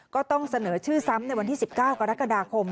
ก็ต้องเสนอชื่อซ้ำในวันที่๑๙กรกฎาคม